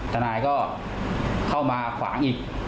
ทนายก็เข้ามาขวางอีก